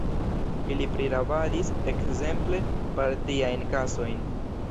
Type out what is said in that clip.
Ili prirabadis, ekzemple, partiajn kasojn.